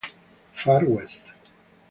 Far West.